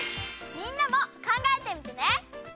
みんなも考えてみてね。